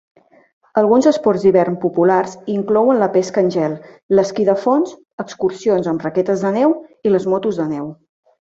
Alguns esports d'hivern populars inclouen la pesca en gel, l'esquí de fons, excursions amb raquetes de neu i les motos de neu.